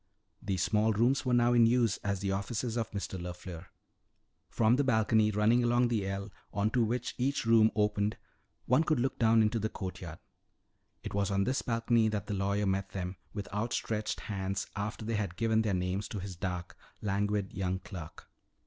These small rooms were now in use as the offices of Mr. LeFleur. From the balcony, running along the ell, onto which each room opened, one could look down into the courtyard. It was on this balcony that the lawyer met them with outstretched hands after they had given their names to his dark, languid young clerk.